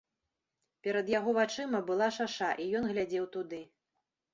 Перад яго вачыма была шаша, і ён глядзеў туды.